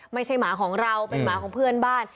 หมาของเราเป็นหมาของเพื่อนบ้าน